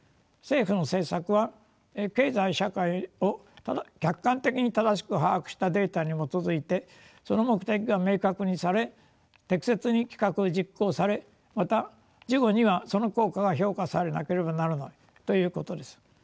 政府の政策は経済・社会を客観的に正しく把握したデータにもとづいてその目的が明確にされ適切に企画実行されまた事後にはその効果が評価されなければならないということです。